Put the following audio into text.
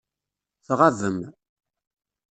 Tɣabem.